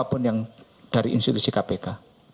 apapun yang dari institusi kpk